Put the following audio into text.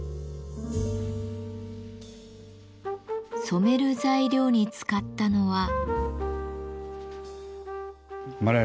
染める材料に使ったのは。